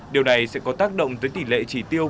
điều này sẽ có tác động tới tỷ lệ chỉ tiêu